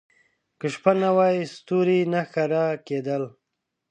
• که شپه نه وای، ستوري نه ښکاره کېدل.